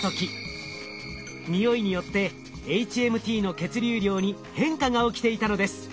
匂いによってｈＭＴの血流量に変化が起きていたのです。